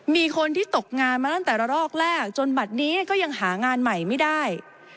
มีคนที่ตกงานมาตั้งแต่ละรอกแรกจนบัตรนี้ก็ยังหางานใหม่ไม่ได้